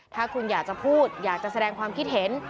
ถ้าคุณอยากจะพูดอยากจะแสดงความคิดเห็น